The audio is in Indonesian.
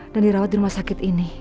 dan dirawat di rumah sakit ini